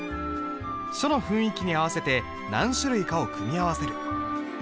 書の雰囲気に合わせて何種類かを組み合わせる。